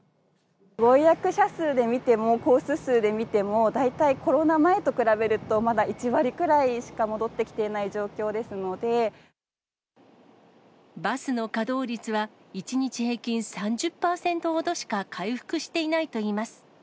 ご予約者数で見ても、コース数で見ても、大体コロナ前と比べると、まだ１割くらいしか戻ってバスの稼働率は１日平均３０％ほどしか回復していないといいます。